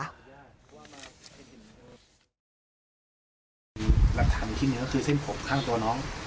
หลักฐานที่นี่ก็คือเส้นผมข้างตัวน้อง